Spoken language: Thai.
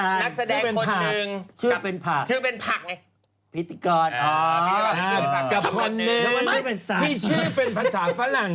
กับคนหนึ่งที่ชื่อเป็นภาษาฝรั่ง